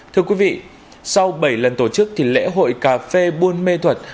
thưa quý vị sau bảy lần tổ chức thì lễ hội cà phê buôn mê thuật